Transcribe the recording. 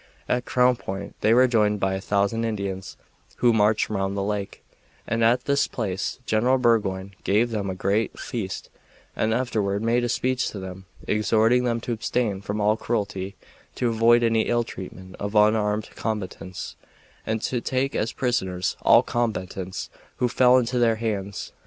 At Crown Point they were joined by 1000 Indians, who marched round the lake, and at this place General Burgoyne gave them a great feast and afterward made a speech to them, exhorting them to abstain from all cruelty, to avoid any ill treatment of unarmed combatants, and to take as prisoners all combatants who fell into their hands.